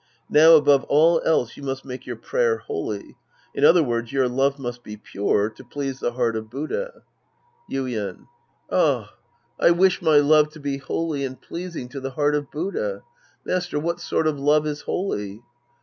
Now above all else, you must make your prayer holy. In other words, your love must be pure to please the heart of Buddha. Sc. 11 The Priest and His Disciples 209 Yuien. Ah, I wish my love to be holy and pleas ing to the heart of Buddha. Master, what sort of love is holy